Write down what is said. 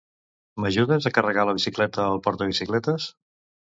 M'ajudes a carregar la bicicleta al portabicicletes?